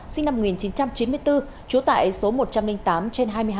sinh năm một nghìn chín trăm chín mươi bốn trú tại số một trăm linh tám trên hai mươi hai